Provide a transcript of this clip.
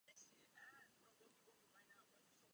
Byl také rektorem semináře.